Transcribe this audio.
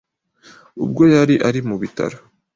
ubwo yari ari mu bitaro